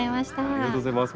ありがとうございます。